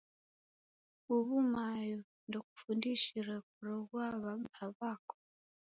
Uwu mayo ndekufundishire kuroghua wabaa wako?